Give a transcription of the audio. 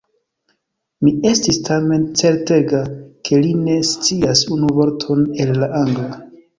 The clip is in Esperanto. Mi estis tamen certega, ke li ne scias unu vorton el la Angla.